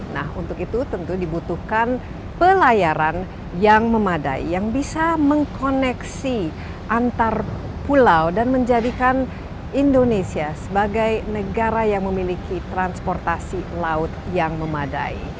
nah untuk itu tentu dibutuhkan pelayaran yang memadai yang bisa mengkoneksi antar pulau dan menjadikan indonesia sebagai negara yang memiliki transportasi laut yang memadai